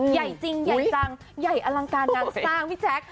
ใหญ่จริงใหญ่จังใหญ่อลังการงานสร้างพี่แจ๊ค